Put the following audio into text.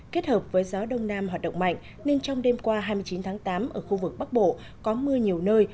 kết hợp với gió đông nam hoạt động mạnh nên trong đêm qua hai mươi chín tháng tám ở khu vực bắc bộ có mưa nhiều nơi